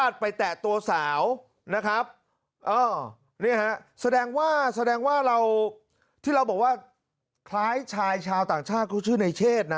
แสดงว่าแสดงว่าเราที่เราบอกว่าคล้ายชายชาวต่างชาติเขาชื่อในเชศนะ